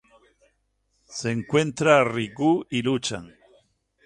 Se encuentra a Riku y luchan.